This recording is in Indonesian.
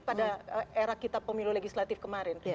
sandra politik pada era kita pemilu legislatif kemarin